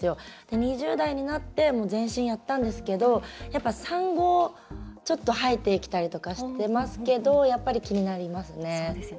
２０代になって全身やったんですけど産後、ちょっと生えてきたりとかしてますけどやっぱり気になりますね。